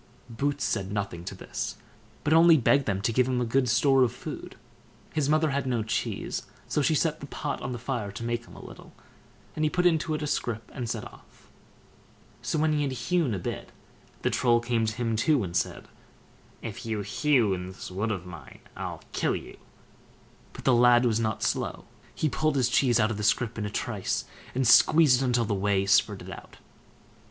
Boots said nothing to this, but only begged them to give him a good store of food. His mother had no cheese, so she set the pot on the fire to make him a little, and he put it into a scrip and set off. So when he had hewn a bit, the Troll came to him too, and said: "If you hew in this wood of mine, I'll kill you." But the lad was not slow; he pulled his cheese out of the scrip in a trice, and squeezed it till the whey spurted out.